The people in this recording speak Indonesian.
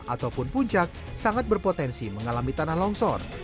ataupun puncak sangat berpotensi mengalami tanah longsor